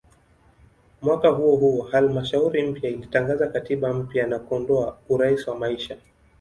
Mwaka huohuo halmashauri mpya ilitangaza katiba mpya na kuondoa "urais wa maisha".